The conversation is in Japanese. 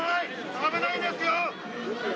危ないですよ！